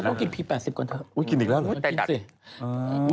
เดี๋ยวฉันต้องกินพีล๘๐ก่อนเถอะ